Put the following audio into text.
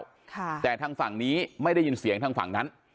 ค่ะแต่ทางฝั่งนี้ไม่ได้ยินเสียงทางฝั่งนั้น